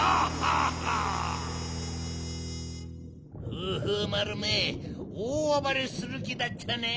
フーフーまるめおおあばれするきだっちゃね。